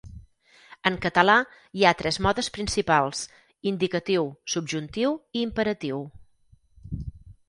En català hi ha tres modes principals: indicatiu, subjuntiu i imperatiu.